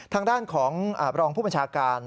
ทางด้านของรองผู้บัญชาการ